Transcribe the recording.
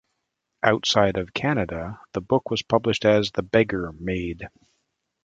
Outside of Canada, the book was published as "The Beggar Maid".